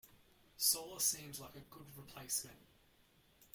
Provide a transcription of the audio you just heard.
Solar seems like a good replacement.